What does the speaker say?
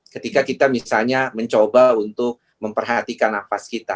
ketika kita misalnya mencoba untuk memperhatikan nafas kita